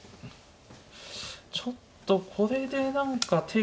ちょっとこれで何か手が。